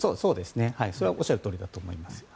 それはおっしゃるとおりだと思います。